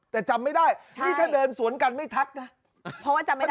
แต่จำไม่ได้นี่ถ้าเดินสวนกันไม่ทักนะเพราะว่าจำไม่ได้